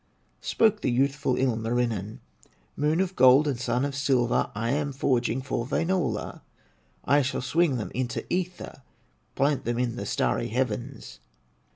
Spake the youthful Ilmarinen: "Moon of gold and Sun of silver, I am forging for Wainola; I shall swing them into ether, Plant them in the starry heavens."